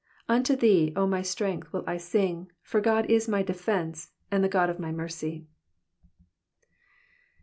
17 Unto thee, O my strength, will I sing : for God is my defence, a?id the God of my mercy.